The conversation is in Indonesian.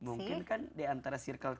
mungkin kan di antara circle kita